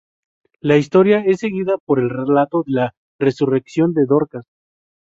La historia es seguida por el relato de la resurrección de Dorcas.